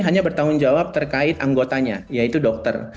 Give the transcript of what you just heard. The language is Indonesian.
hanya bertanggung jawab terkait anggotanya yaitu dokter